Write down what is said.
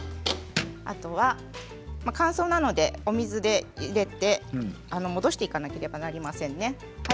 あとは乾燥なのでお水に入れて戻していかなければなりませんね。